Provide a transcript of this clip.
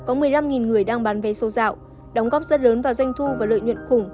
có một mươi năm người đang bán vé số dạo đóng góp rất lớn vào doanh thu và lợi nhuận khủng